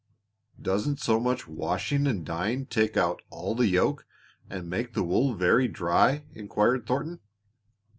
"Doesn't so much washing and dyeing take out all the yolk, and make the wool very dry?" inquired Thornton.